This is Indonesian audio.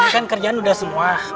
kan kerjaan udah semua